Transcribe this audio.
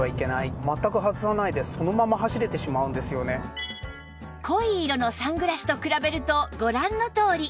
また濃い色のサングラスと比べるとご覧のとおり